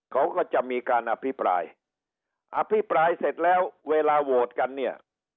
เขาก็จะมีการอภิปรายอภิปรายเสร็จแล้วเวลาโหวตกันเนี่ย